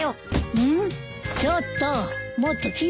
うん？